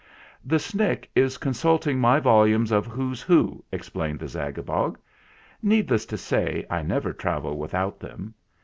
"The Snick is consulting my volumes of 'Who's Who,' ' explained the Zagabog. "Needless to say, I never travel without them.